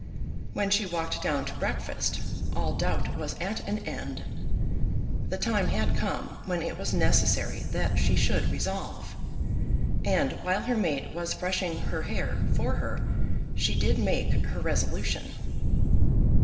When she walked down to breakfast, all doubt was at an end. The time had come when it was necessary that she should resolve, and while her maid was brushing her hair for her she did make her resolution.